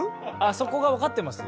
そこが分かってます？